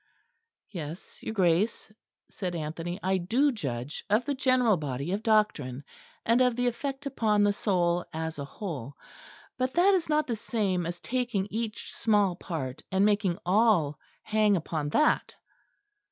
"Yes, your Grace," said Anthony, "I do judge of the general body of doctrine, and of the effect upon the soul as a whole; but that is not the same as taking each small part, and making all hang upon that."